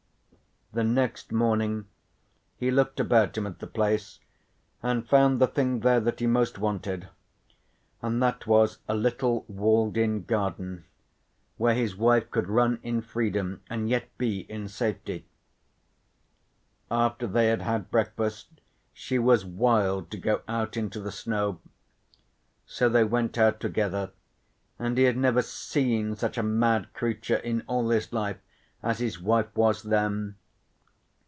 The next morning he looked about him at the place and found the thing there that he most wanted, and that was a little walled in garden where his wife could run in freedom and yet be in safety. After they had had breakfast she was wild to go out into the snow. So they went out together, and he had never seen such a mad creature in all his life as his wife was then.